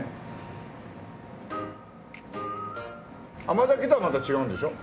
甘酒とはまた違うんでしょ？